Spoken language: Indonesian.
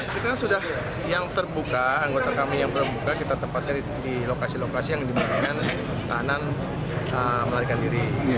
kita sudah yang terbuka anggota kami yang terbuka kita tempatkan di lokasi lokasi yang diberikan tahanan melarikan diri